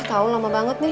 ah tau lama banget nih